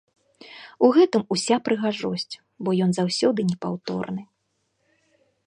У гэтым уся прыгажосць, бо ён заўсёды непаўторны.